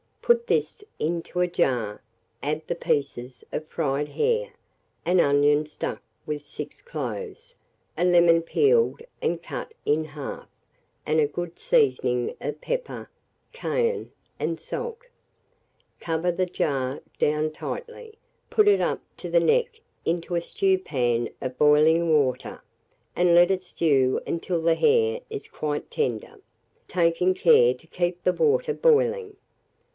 Put this into a jar; add the pieces of fried hare, an onion stuck with six cloves, a lemon peeled and cut in half, and a good seasoning of pepper, cayenne, and salt; cover the jar down tightly, put it up to the neck into a stewpan of boiling water, and let it stew until the hare is quite tender, taking care to keep the water boiling.